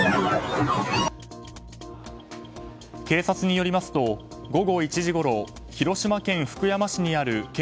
警察によりますと午後１時ごろ広島県福山市にある県